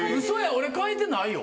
俺変えてないよ。